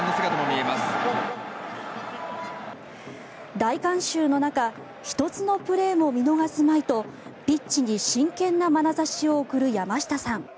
大観衆の中１つのプレーも見逃すまいとピッチに真剣なまなざしを送る山下さん。